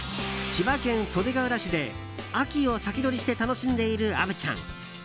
千葉県袖ケ浦市で秋を先取りして楽しんでいる虻ちゃん。